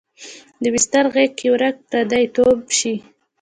د بستر غیږ کې ورک پردی توب شي